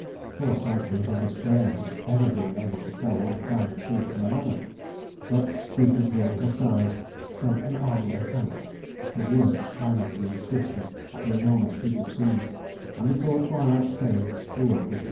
Poor Psyche was in despair at ever being able to tell one kind of seed from another; but Cupid, hearing her sighs, sent an army of ants who worked silently and swiftly at the enormous heap of seeds, and before twilight came the work was done.